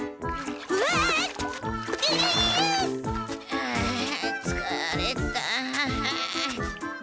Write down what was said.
ああつかれた。